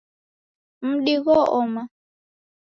Mdi gho-oma